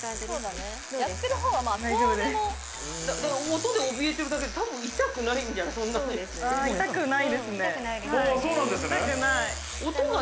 音でおびえているだけで、多分痛くないんじゃない？